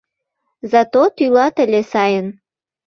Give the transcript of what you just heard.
Зато тӱлат ыле сайын.